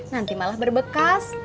nanti malah berbekas